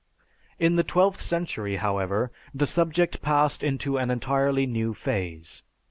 "In the twelfth century, however, the subject passed into an entirely new phase.